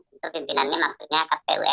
untuk pimpinannya maksudnya kpu ri